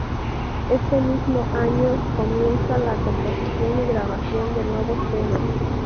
Este mismo años comienza la composición y grabación de nuevos temas.